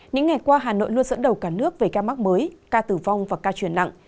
những ngày qua hà nội luôn dẫn đầu cả nước về ca mắc mới ca tử vong và ca truyền nặng